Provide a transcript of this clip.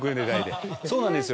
そうなんですよ